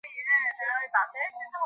ঐ, দাঁড়া!